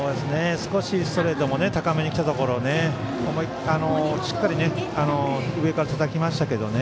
ストレートも少し高めにきたところをしっかり上からたたきましたけどね。